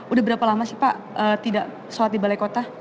udah berapa lama sih pak tidak sholat di balai kota